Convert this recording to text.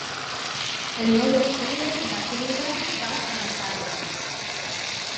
El nou d'octubre na Frida va a Massanes.